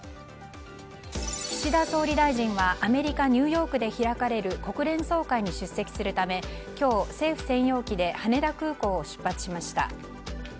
岸田総理大臣は、アメリカニューヨークで開かれる国連総会に出席するため今日、政府専用機で羽田空港を出発しました。